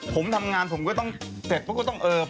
ผมทำงานผมก็ต้องเสร็จ